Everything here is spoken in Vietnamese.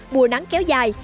mùa nắng kéo dài